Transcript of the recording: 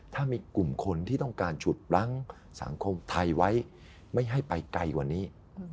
ถ้ามีกลุ่มคนที่ต้องการฉุดปลั้งสังคมไทยไว้ไม่ให้ไปไกลกว่านี้